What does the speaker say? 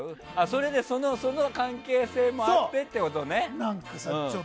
それで、その関係性もあってということね。